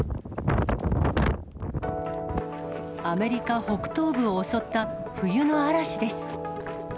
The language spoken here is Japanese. アメリカ北東部を襲った冬の嵐です。